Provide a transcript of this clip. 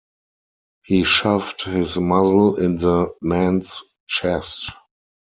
He shoved his muzzle in the man’s chest.